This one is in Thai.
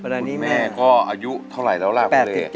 คุณแม่ก็อายุเท่าไหร่แล้วล่ะครับ